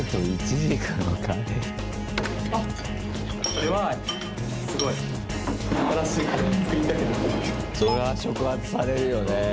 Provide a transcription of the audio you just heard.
それは触発されるよねえ。